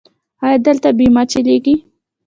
ایا دلته بیمه چلیږي؟